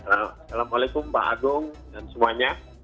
assalamualaikum pak agung dan semuanya